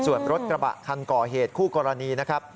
ส่วนรถกระบะคันก่อเหตุคู่กรณีนะครับ